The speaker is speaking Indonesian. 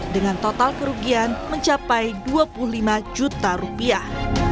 dengan total kerugian mencapai dua puluh lima juta rupiah